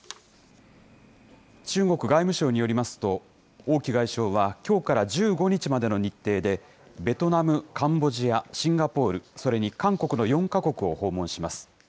中国外務省によりますと、王毅外相はきょうから１５日までの日程で、ベトナム、カンボジア、シンガポール、それに韓国の４か国を訪問します。